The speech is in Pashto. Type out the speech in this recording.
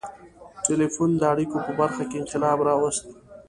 • ټیلیفون د اړیکو په برخه کې انقلاب راوست.